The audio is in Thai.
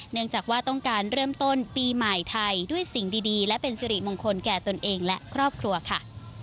เนื่องจากว่าต้องการเริ่มต้นปีใหม่ไทยด้วยสิ่งดีและเป็นสิริมงคลแก่ตนเองและครอบครัวค่ะ